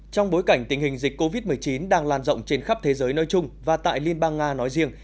trong bối cảnh tình hình dịch covid một mươi chín đang lan rộng trên khắp thế giới nơi chung và tại liên bang nga nói riêng